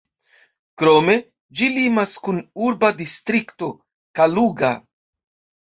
Krome, ĝi limas kun urba distrikto Kaluga.